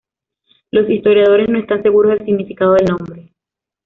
Los historiadores no están seguros del significado del nombre.